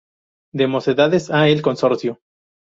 De Mocedades a El Consorcio.